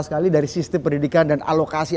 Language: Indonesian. sekali dari sistem pendidikan dan alokasi